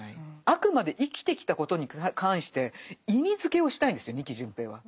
あくまで生きてきたことに関して意味づけをしたいんですよ仁木順平は。